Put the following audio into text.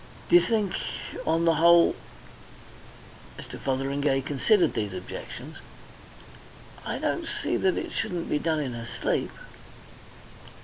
Do you think, on the whole " Mr. Fotheringay considered these objections. "I don't see that it shouldn't be done in her sleep."